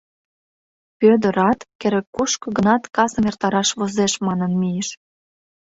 Пӧдырат «керек-кушто гынат касым эртараш возеш» манын мийыш.